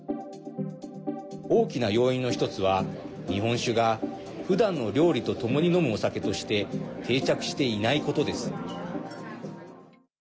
大きな要因の１つは日本酒がふだんの料理とともに飲むお酒として定着していないことです。